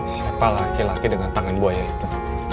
siapa laki laki dengan tangan buaya itu